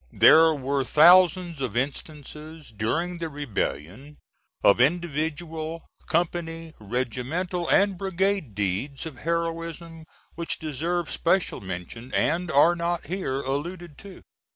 There were thousands of instances, during the rebellion, of individual, company, regimental and brigade deeds of heroism which deserve special mention and are not here alluded to.